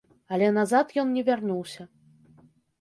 Але назад ён не вярнуўся.